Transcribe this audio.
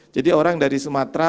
jadi orang dari sumatera